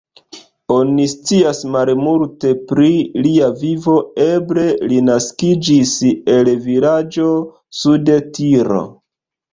Oni scias malmulte pri lia vivo, eble li naskiĝis el vilaĝo sude Tiro.